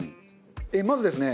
まずですね